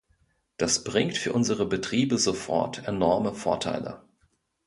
Das bringt für unsere Betriebe sofort enorme Vorteile.